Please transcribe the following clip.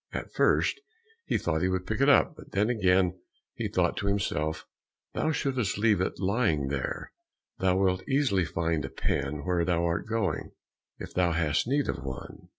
At first he thought he would pick it up, but then again he thought to himself, "Thou shouldst leave it lying there; thou wilt easily find a pen where thou art going, if thou hast need of one."